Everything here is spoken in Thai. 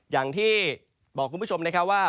อย่างที่บอกคุณผู้ชมนะครับว่า